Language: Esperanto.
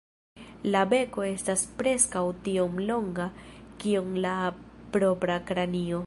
La beko estas preskaŭ tiom longa kiom la propra kranio.